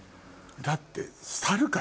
だって。